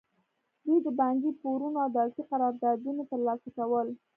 دوی د بانکي پورونه او دولتي قراردادونه ترلاسه کول.